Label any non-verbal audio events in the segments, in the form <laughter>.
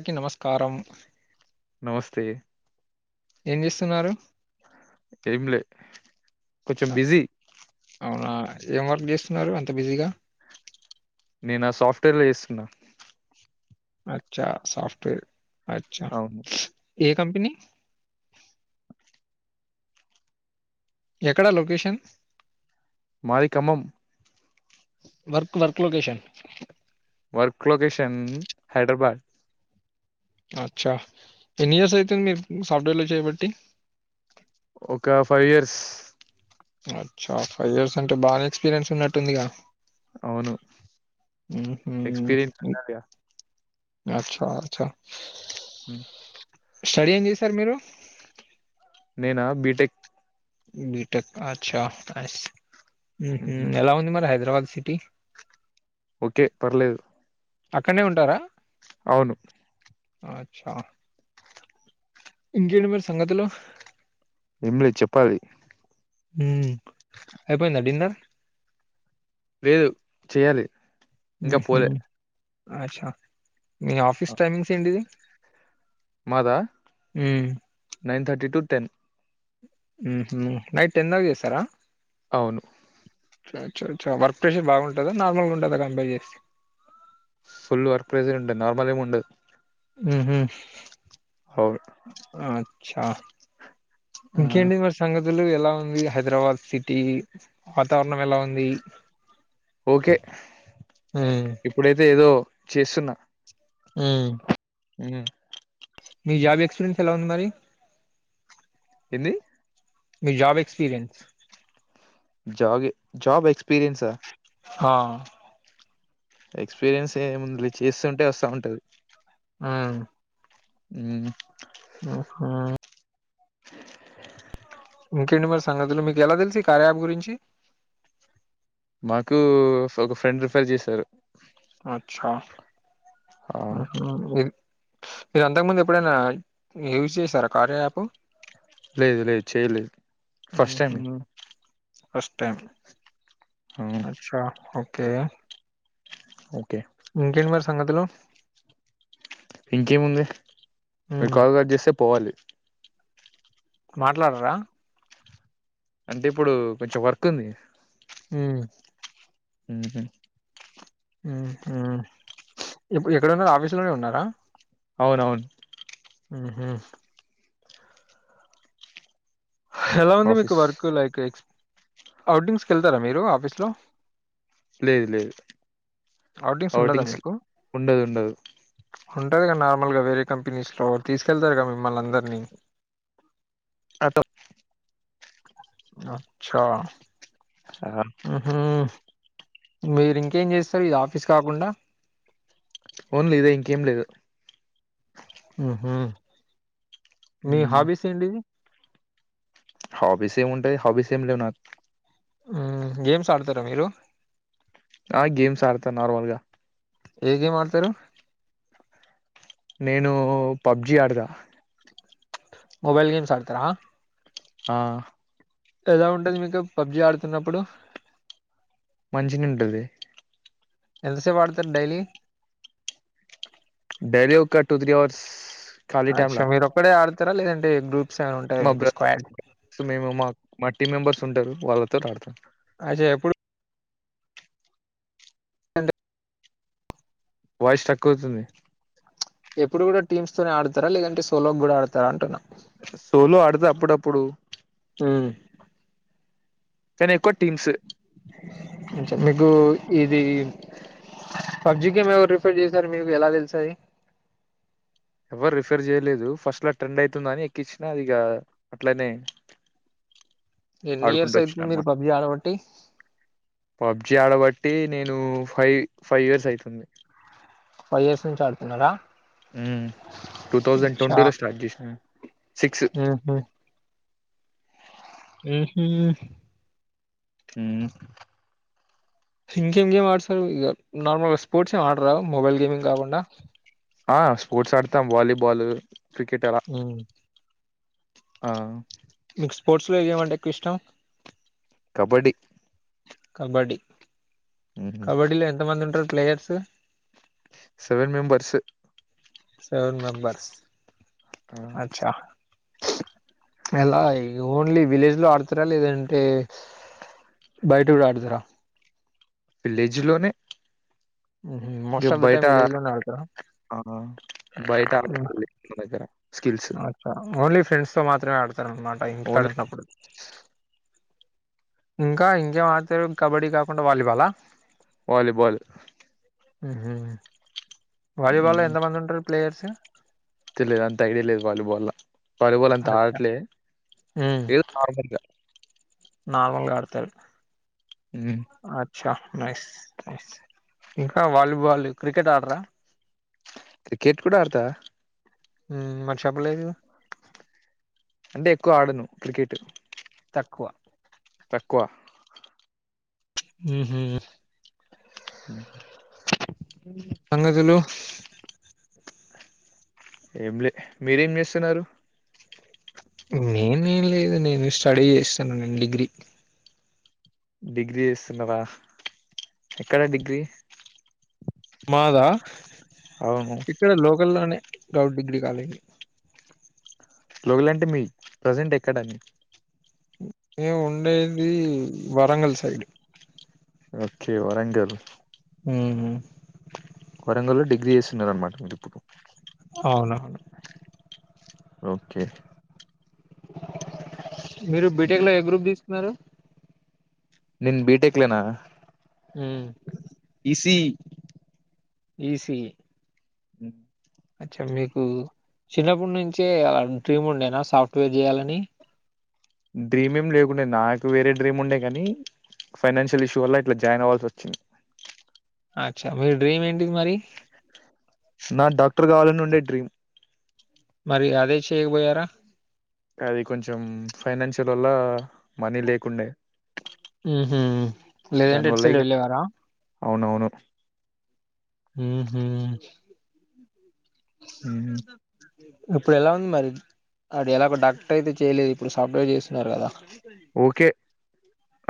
అక నమస్కారం నమస్తే ఏం చేస్తున్నారు ఏం లే కొంచెం అ- బిజీ అవునా ఏం వర్క్ చేస్తున్నారు అంత బిజీగా నేను ఆ సాఫ్ట్వేర్ లో చేస్తున్నా అచ్చా సాఫ్ట్వేర్ అచ అవును ఏ కంపెనీ ఎక్కడా లొకేషన్ మాది Khammam work work location work location Hyderabad అచ్చా ఎన్ని ఇయర్స్ అవుతుంది మీ సాఫ్ట్వేర్ లో చేయబట్టి ఒక ఫైవ్ ఇయర్స్ అచ్చా ఫైవ్ ఇయర్స్ అంటే బాగానే ఎక్స్పీరియన్స్ ఉన్నట్టుందిగా అవును ఎక్స్పీరియన్స ఉండాలిగా అచ అచ <inaudible> స్టడీ ఏం చేసార్ మీరు నేనా బిటెక్ బీటెక్ అచ్చస్ ఉ ఉమ్. ఎలా ఉంది మరి హైద్ర హైదరాబాద్ సిటీ ఓకే పర్లేదు అక్కడనే ఉంటారా అవును అచ్చ ఇంకేంటి మరి సంగతు లు ఏమి లేదు చెప్పాలి ఉ అయిపోయిందా డిన్నర్ లేదు చెయాలి ఇంకా మ్మ్హ్మ్. పోలే అచ్చా మీ ఆ. ఆఫీస్ టైమింగ్స్ ఏంటిది మాదా అ నైన్ థర్టీ టు టెన్ ఉ హ నైట్ టెన్ దాక చేస్తారా అవును చ చ చ వర్క్ ప్రెషర్ బాగుంటందా నార్మల్ గా ఉంటుందా కంపేర్ చేస్తే ఫుల్ వర్క్ పప్రెషర్ ఉంటది నార్మల్ ఏం ఉండదు ఆహ అవును ఆ చ్చ ఆ, ఇంకెంటి మరి సంగతి ందులు ఎలా ఉంది హైదరాబాద్ సిటీ వాతావరణం ఎలా ఉంది ఓకే హ్మ్. ఇప్పుడైతే ఏదో చేస్తున్నా హ అ మీ జాబ్ ఎక్స్పీరియన్స్ ఎలా ఉంది మరి ఎంది మీ జాబ్ ఎక్స్పీరియన్స్ జాబ్ జాబ్ ఎక్స్పీరియన్సా ఆ ఎక్స్పీరియన్స్ ఏ ము చేస్తుంటే వస్తా ఉంటది ఆ అ ఇంకేంటి మరి సంగతులు మీకు ఎలా తెలుసు ఈ కార్య యాప్ గురించి మాకు ఒక ఫ్రెండ్ రిఫర్ చేశారు అచ్చా ఆ మీరు అంతకు ముందు ఎప్పుడైనా యూజ్ చేస్తారా కార్య యాప్ లేదు లేదు చెయలేదు ఫస్ట్ టైమ్ ఫస్టైం ఆ అచ్చా ఓకే అ ఇంకేంటి మ సంగతులు ఇంకేముంది మీరు ఉమ్ కాల్ కట్ చేస్తే పోవాలి మాట్లాడరా అంటే ఇప్పుడు కొంచెం వర్క్ ఉంది హ్మ్మ్ హ్మ్మ్ హ్మ్మ్ ఇప్పుడు ఎక్కడ ఉన్నారు ఆఫీసు లోనే ఉన్నారా అవునవును హ్మ్మ్ ఎలా ఉంది మీకు ఆఫీస్ వర్క్ లైక్ ఎక్ అవుట్టింగ్స్కి వెళ్తారా మీరు ఆఫీస్ లో లేదు లేదు ఔటింగ్స్ ఉండదు ఉండదు ఉంటుంది కదా నార్మల్గా వేరే కంపెనీస్లో తీసుకెళ్తారు కదా మిమ్మల్ని అందర్నీ పాకప్ అచ్చా హ్మ్మ్ మీరు ఇంకేం చేస్తారు ఈ ఆఫీస్ కాకుండా ఓన్లి ఇదే ఇంకేం లేదు హ్మ్మ్ మీ మ్మ్ హాబీస్ ఏంటిది హాబీస్ ఏం ఉంటాయి హాబీస్ ఏం లేవు నాకు హ్మ్మ్ గేమ్స్ ఆడతారా మీరు ఆ గేమ్స్ ఆడతా నార్మల్ గా ఏ గేం ఆడతారు నేను పబ్జి ఆడతా మొబైల్ గేమ్స్ ఆడతారా ఆ అంటే ఎలా ఉంటది మీకు ఆ పబ్జి ఆడుతున్నప్పుడు మంచిగా ఉంటది ఎంతసేపు ఆడుతారు డైలీ డైలీ ఒక్క టూ త్రీ అవర్స్ ఖాళీ అచ్చా టైమ్‌లా మీరొక్కరె ఆడ <unintelligible> అండి గ్రూప్ మా బ్రదర్ మేము మా మా టీమ్ మెంబర్స్ ఉంటారు వాళ్ళతోటి ఆడుతా అదే ఎప్పుడు అంటే వాయిస్ స్ట్రక్క్కువుతుంది ఎప్పుడు కూడా టీమ్స్ తోనే ఆడతారా లేదంటే సోలో కూడా ఆడతారా అంటున్నా సోలొ ఆడుతం అప్పుడప్పుడు హ్మ్మ్ కానీ ఎక్కువ టీమ్స్ నిగు ఇది హ పబ్జీ గేమ్ ఎవరూ రిఫర్ చేసారు మీకు ఎలా తెలిసాయి ఎవరు రిఫర్ చేయలేదు ఫస్ట్లా ట్రెండ్ అయితుంది అని ఎక్కించినా ఇగ అట్లనే ఎన్ని ఇయర్స్ ఆడుకుంటూ అయితుంది మీరు వచ్చిననమాట. పబ్జి ఆడబట్టి అంటే నేను ఫైవ్ ఇయర్స్ అయితుంది ఫైవ్ ఇయర్స్ నుంచి ఆడుతున్నారా టూ థౌజండ్ ట్వంటీ లో స్టార్ట్ చేసినా ఆ హా ఊ హు ఊ ఇంకేం గేమ్ ఆడతారు ఇ నార్మల్గా స్పోర్ట్స్ ఏం ఆడరా మొబైల్ గేమింగ్ కాకుండా ఆ స్పోర్ట్స్ ఆడతాం వాలీబాల్ క్రికెట్ అలా మ్మ్. ఆ మీకు స్పోర్ట్స్ లో ఏమంటే ఎక్కువ ఇష్టం కబడ్డి కబడ్డీ హుహు. కబడ్డీలో ఎంత మంది ఉంటారు players seven members seven members ఆ! అచ్చా ఎలా ఓన్లీ విలేజ్ లో ఆడుతారా లేదంటే బయట కూడా ఆడుతారా విల్లేజ్ లోనే most of the time village లోనే ఆడతారు ఆ బయట ఆడలేదు మన దగ్గర స్కిల్స్ ఓన్లీ ఫ్రెండ్స్ తో మాత్రమే ఆడతాను అనమాట ఇంటి కడ ఓన్లీ ఉనప్పుడు ఇంకా ఇంకేం ఆడుతారు కబడ్డీ కాకుండా వాలీబాల వాలిబాల్ ఆహ తెలియదు అంత ఐడియా లేదు వాలీబాల్ వాలీబాల్ అంత అచ్చా అడేట్లి మ్ ఏదో నార్మల్గా నార్మల్గా ఆడుతారు అ నైస్ న ఇంకా వాలీబాల్ క్రికెట్ ఆడరా క్రికెట్ కూడా ఆడతా మరి చెప్పలేదు అంటే ఎక్కువ ఆడను క్రికెట్ తక్కువ తక్కువ హ ఉమ్ సంగతులు ఏం లే మీరేం చేస్తున్నారు నేనేం లేదు నేను స్టడీ చేస్తున్నాను నేను డిగ్రీ డిగ్రీ చేస్తున్నారా ఎక్కడా డిగ్రీ మాదా అవును ఇక్కడ లోకల్ లోనే ప్రౌడ్ డిగ్రీ కాలేజీ లోకల్ అంటే మీ ప్రజెంట్ ఎక్కడ అని మేము ఉండేది వరంగల్ సైడ్ ఓకే వరంగల్ ఉమ్ హు వరంగల్ల్లో డిగ్రీ చేస్తున్నరానమాట మీరు ఇప్పుడు అవునవును ఓకే అ మీరు బీటెక్ లో ఏ గ్రూప్ తీస్ న్నారు నేన్ బీటెక్లనా ఉమ్ ఈసిఈ ఈసిఈ ఉమ్ అచ్చా మీకు చిన్నప్పటి నుంచే డ్రీమ్ ఉండేనా సాఫ్ట్వేర్ చేయాలని డ్రీమ్ ఏం లేకుండే నాకు వేరే డ్రీమ్ ఉండే కానీ ఫైనాన్షియల్ ఇష్యూ వల్ల ఇట్లా జాయిన్ అవ్వాల్సి వచ్చింది అచ్చా మీ డ్రీమ్ ఏంటిది మరి నా డాక్టర్ కావాలని ఉండే డ్రీమ్ మరి అదే చేయకపోయారా అది కొంచెం ఫైనాన్షియల్ వల్ల మనీ లేకుండే ఉంహు దాని లేదంటే ఎటు వల్ల సైడ్ ఇక వెళ్ళేవారా అవునవును ఉమ్ హు స మ్మ్. ఇప్పుడు ఎలా ఉంది మరి అది ఎలా ఒక డాక్టర్ అయితే చేయలేదు ఇప్పుడు సాఫ్ట్వేర్ చేస్తున్నారు కదా ఓకే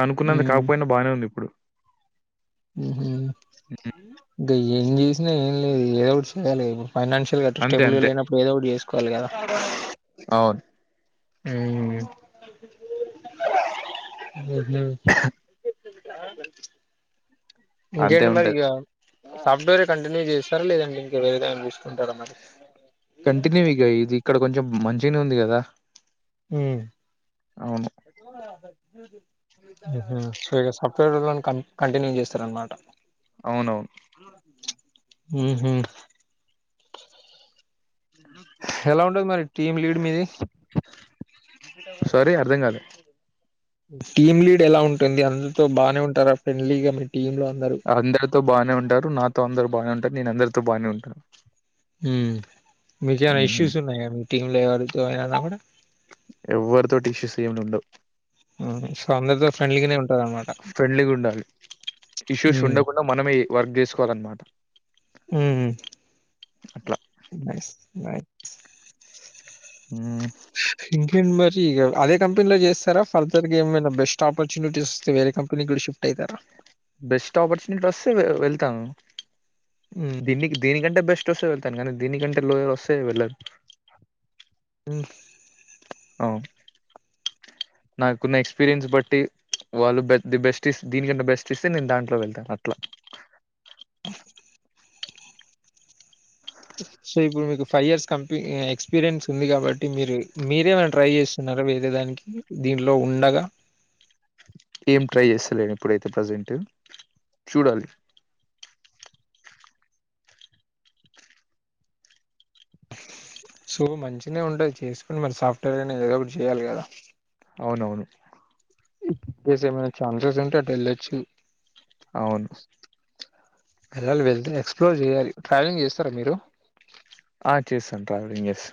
అనుకున్నంత కాకపోయినా బానే ఉంది ఇప్పుడు ఉమ్ హు ది ఏం చేసినా ఏం లేదు ఏదోకటి చేయ్యాలి <unintelligible> ఫైనాన్షియల్గా అట్ట అంతే స్టేబుల్ గా అంతే లేనప్పుడు ఏదో ఒకటి చేసుకోవాలి కదా అవును హ్మ్ ఉంహు అంతే ఇంకేంటి ఉంటది మరిగా సాఫ్ట్వేరే కంటిన్య చేస్తారా లేదంటె ఇంకా వేరే ఏదైనా చూస్కు కంటిన్యూ ఇక ఇది ఇక్కడ కొంచెం మంచిగానే ఉంది కదా అవును సప్తహ క కంటిన్యూ చేస్తారనమాట అవునవును హ్మ్ హ్మ్ ఎలా ఉంటది మరి టీం లీడ్ మీది సారీ అర్ధం కాదు టీమ్ లీడ్ ఎలా ఉంటుంది అందరితో బాగానే ఉంటారా ఫ్రెండ్లీగా టీమ్ లో అందరు అందరితో బాగానే ఉంటారు నాతో అందరుూ బానే ఉంటారు నేను అందరితో బానే ఉంటాను హ్మ్ మీకేమన మ్మ్. ఇష్యూస్ ఉన్నాయా మి టీమ్ లేవ నా కూడాడ ఎవ్వరితోటి ఇష్యూస్య ఏం ఉండ ఉమ్. సో అందరితో ఫ్రెండ్లీగానే ఉంటారు అనమాట ఫ్రెండ్లీగా ఉండాలి ఇష్యూస్ ఉండకుండా మనమే వర్క్ చేసుకోవాలన్నమాట అట్లా బస్ బై హ్మ్ మరి ఇగ అదే కంపెనీలో చేస్తారా ఫర్దర్ గా ఏమైనా బెస్ట్ ఆపర్చునిటీస్ ఇస్తే వేరే కంపెనీగ్గూడా షిఫ్ట్ అయితారా. బెస్ట్ ఆపర్చునిటీ వస్తే వె వెళ్తాను హ్మ్. దీనిక్ దీని కంటే బె స్ట్ వస్తే వెళ్తే గానీ దీనికంటే లోయర్ వస్సె వెళ్ళను ఉమ్ అవున్ నాకున్న ఎక్స్పీరియన్స్ బట్టి వాళ్ళు ది బెస్ట్ దీనికన్నా బెస్ట్ ఇస్తే నేను దాంట్లో వెళ్తాను అట్లా. సో ఇప్పుడు మీకు ఫైవ్ ఇయర్స్ కంపీ ఎక్స్పీరియన్స్ ఉంది కాబట్టి మీరు మీరేమైనా ట్రై చేస్తున్నారా వేరే దానికి దీంట్లో ఉండగా, ఏం ట్రై చేస్తలేను ఇప్పుడైతే ప్రజెంట్ చూడాలి సో మంచినే ఉంటది చేసుకుని మరి సాఫ్ట్వేర్ ఐనా ఏదో ఒకటి చేయాలి కదా అవును అవును ఎస్ ఏమైనా ఛాన్సెస్ ఉంటే అటు వెళ్ళొచ్చు అవును వెళ్ళాలి వెళ్తే ఎక్స్ప్లోర్ చెయ్యాలి ట్రావెలింగ్ చేస్తారా మీరు చేస్సాన్ ట్రావెలింగ్ చేస్స్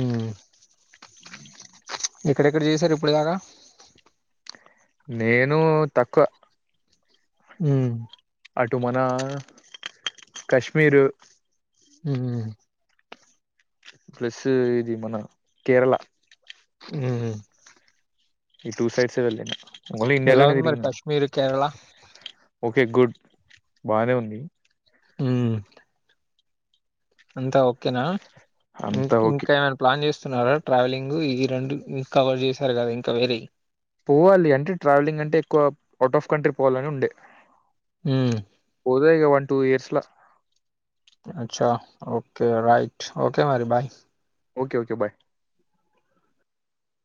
ఉమ్ ఎక్కడెక్కడ చేసారు ఇప్పుడు దాకా నేను తక్కువ ఉమ్ అటు మన కశ్మీరు ఉమ్ హు ప్లస్ ఇది మన కేరళ ఉమ్ ఈ టూ సైడ్స్ వెళ్ళను ఎలా ఉంది మరి కాశ్మీర్ కేరళ బానే ఉంది ఉమ్ అంతా ఓకేనా ఇం అంతా ఓకే. ఇంకా ఏమైనా ప్లాన్ చేస్ సున్నారా ట్రావెలింగ్ ఈ రెండు కవర్ చేశారు కదా ఇంకా వేరే పోవాలి అంటే ట్రావెలింగ్ అంటే ఎక్కువ అవుట్ ఆఫ్ కంట్రీ పోవాలని ఉండే హ్మ్. పోదే ఇగ వన్ టూ ఇయర్స్ ల అచ్చ ఓకే రయిట్ ఓకే మరి బాయ్ ఓకే ఓకే బాయ్